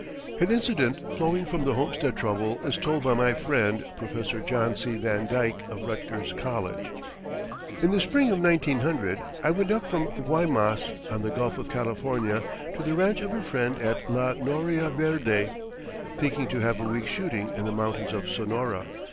An incident flowing from the Homestead trouble is told by my friend, Professor John C. Van Dyke, of Rutgers College. In the spring of 1900, I went up from Guaymas, on the Gulf of California, to the ranch of a friend at La Noria Verde, thinking to have a week's shooting in the mountains of Sonora.